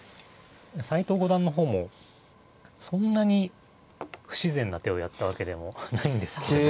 斎藤五段の方もそんなに不自然な手をやったわけでもないんですけれど。